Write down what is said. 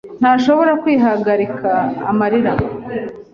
ntashobora kwihagarika amarira.